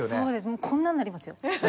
もうこんなんなりますよ。